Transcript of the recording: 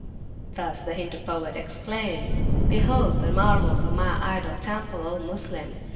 Thus the Hindu poet exclaims: Behold the marvels of my idol temple, O Moslem!